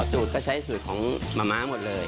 เอาซุปก็ใช้สูตรของมแมมมาหมดเลย